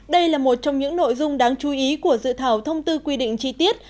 đây là một trong những nội dung đáng chú ý của dự thảo thông tư quy định chi tiết